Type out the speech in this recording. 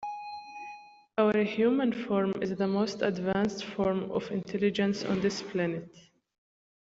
Our human form is the most advanced form of intelligence on this planet.